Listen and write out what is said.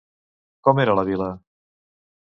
Com era la vila?